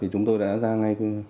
chúng tôi đã ra ngay